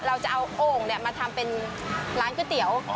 เราจะเอาโอ่งมาทำเป็นร้านก๋วยเตี๋ยว